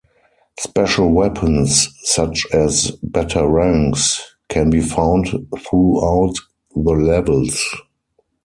Special weapons, such as Batarangs, can be found throughout the levels.